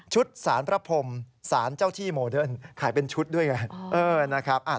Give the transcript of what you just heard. สารพระพรมสารเจ้าที่โมเดิร์นขายเป็นชุดด้วยไง